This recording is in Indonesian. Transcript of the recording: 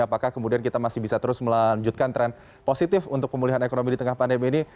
apakah kemudian kita masih bisa terus melanjutkan tren positif untuk pemulihan ekonomi di tengah pandemi ini